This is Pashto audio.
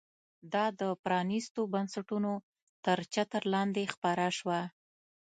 دا د پرانیستو بنسټونو تر چتر لاندې خپره شوه.